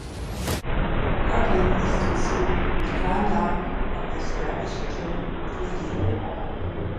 Hertling is considered the "grande dame" of the established German (free theatre).